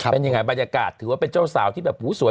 เป็นยังไงบรรยากาศถือว่าเป็นเจ้าสาวที่แบบหูสวย